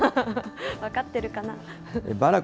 分かってるかな。